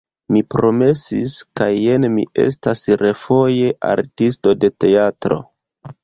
Mi promesis kaj jen mi estas refoje artisto de teatro.